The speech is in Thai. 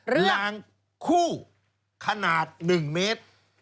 ยางคู่ขนาด๑เมตร